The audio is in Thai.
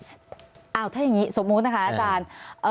ถ้าอย่างนี้สมมุตินะคะอาจารย์